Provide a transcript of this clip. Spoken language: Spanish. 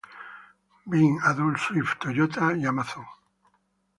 Bean, Adult Swim, Toyota, y Amazon.com.